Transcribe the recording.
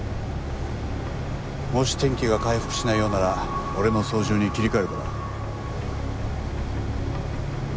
もし天気が回復しないようなら俺の操縦に切り替えるから。